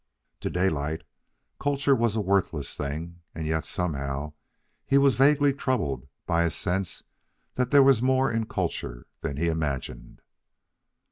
To Daylight culture was a worthless thing, and yet, somehow, he was vaguely troubled by a sense that there was more in culture than he imagined.